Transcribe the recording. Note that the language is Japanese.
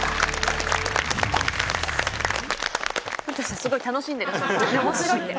すごい楽しんでらっしゃいましたよね